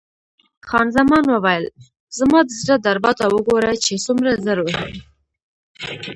خان زمان وویل: زما د زړه دربا ته وګوره چې څومره زر وهي.